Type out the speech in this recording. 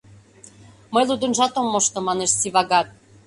— Мый лудынжат ом мошто, — манеш Сивагат.